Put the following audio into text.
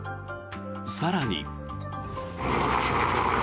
更に。